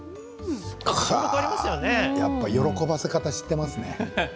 やっぱり喜ばせ方を知っていますね。